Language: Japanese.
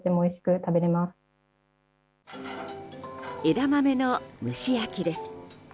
枝豆の蒸し焼きです。